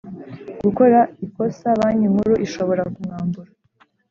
gukora ikosa Banki Nkuru ishobora kumwambura